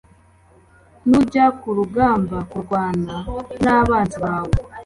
Nujya ku rugamba kurwana n abanzi bawe